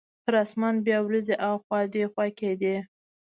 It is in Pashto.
پر اسمان بیا وریځې اخوا دیخوا کیدې.